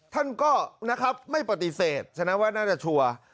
ท่านก็นะครับไม่ปฏิเสธฉะนั้นว่าน่าจะชัวร์